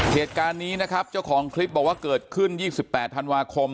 เหตุการณ์นี้นะครับเจ้าของคลิปบอกว่าเกิดขึ้น๒๘ธันวาคม